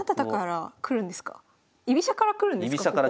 居飛車から来るんですか？